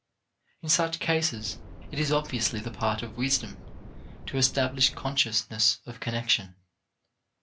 In such cases, it is obviously the part of wisdom to establish consciousness of connection.